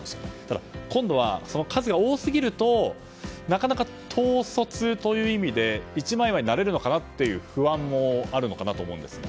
ただ今度は、その数が多すぎるとなかなか統率という意味で一枚岩になれるかなという不安もあるのかなと思うんですが。